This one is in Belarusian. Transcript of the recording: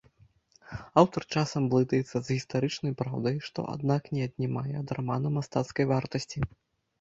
Аўтар часам блытаецца з гістарычнай праўдай, што аднак не аднімае ад рамана мастацкай вартасці.